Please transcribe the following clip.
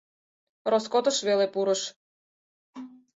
Роскотыш веле пурыш.